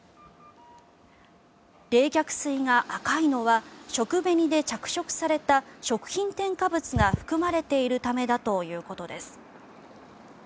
冷却水が赤いのは食紅で着色された食品添加物が含まれているためだということです。